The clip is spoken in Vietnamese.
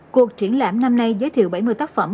cuộc triển lãm năm nay giới thiệu bảy mươi tác phẩm